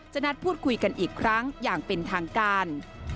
นัดพูดคุยกันอีกครั้งอย่างเป็นทางการ